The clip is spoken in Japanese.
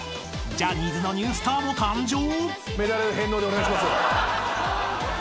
［ジャニーズのニュースターも誕生！？］